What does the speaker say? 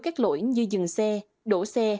các lỗi như dừng xe đổ xe